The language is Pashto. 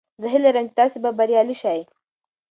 زه هیله لرم چې تاسې به بریالي شئ.